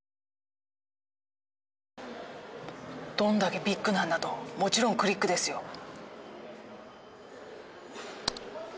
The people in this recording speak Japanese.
どんだけビッグなんだともちろんクリックですよ。